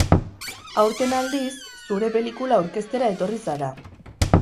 Aurten, aldiz, zure pelikula aurkeztera etorri zara.